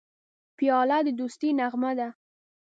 پیاله د دوستی نغمه ده.